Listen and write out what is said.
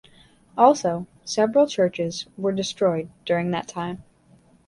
Also, several churches were destroyed during that time.